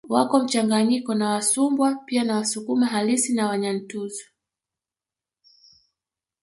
Wako mchanganyiko na Wasumbwa pia na Wasukuma halisi na Wanyantuzu